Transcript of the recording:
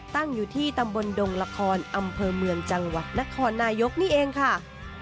ตั้งอยู่ที่ตำบลดงละครอำเภอเมืองจังหวัดนครนายกนี่เองค่ะ